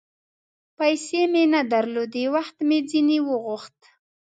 پیسې مې نه درلودې ، وخت مې ځیني وغوښت